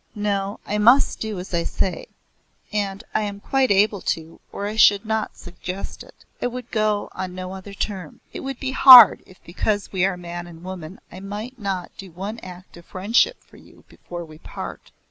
"No, I must do as I say, and I am quite able to or I should not suggest it. I would go on no other terms. It would be hard if because we are man and woman I might not do one act of friendship for you before we part.